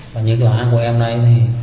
và những loại của em này